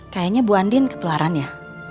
kayaknya bu andin ketularan ya